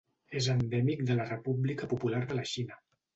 És endèmic de la República Popular de la Xina.